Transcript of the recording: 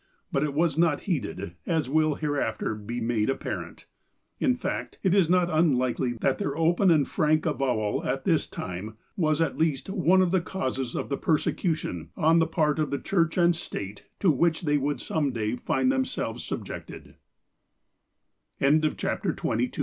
But it was not heeded, as will hereafter be made apparent. In fact, it is not unlikely that their open and frank avowal, at this time, was at least one of the causes of the persecution, on the part of the Church and State, to which they would some day find themselves subjecte